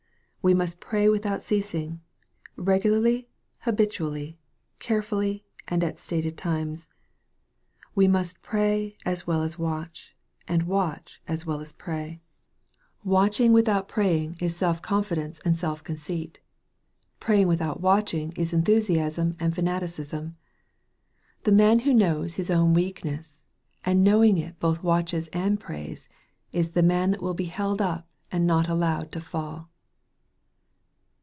We must pray without ceasing, regularly, habitually, carefully, and at stated times. We must pray as well as watch, and watch as well as pray. MARK, CHAP. XIV. 321 Watching without praying is self confidence and self conceit. Praying without watching is enthusiasm and fanaticism. The man who knows his own weakness, and knowing it both watches and prays, is the man that will be held up and not allowed to fall.